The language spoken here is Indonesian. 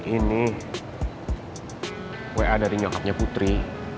ini wa dari nyangkapnya putri